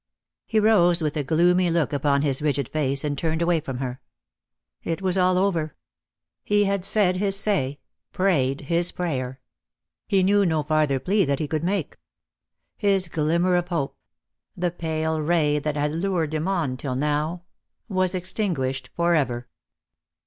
He rose with a gloomy look upon his rigid face, and turned away from her. It was all over. He had said his say — prayed his prayer. He knew no farther plea that he could make. His glimmer of hope — the pale ray that had lured him on till now — was extinguished for ever.